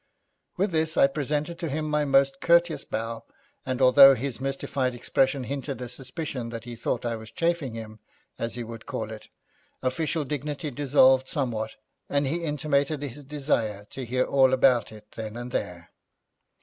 With this I presented to him my most courteous bow, and although his mystified expression hinted a suspicion that he thought I was chaffing him, as he would call it, official dignity dissolved somewhat, and he intimated his desire to hear all about it then and there.